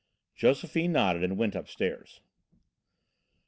Josephine nodded and went upstairs.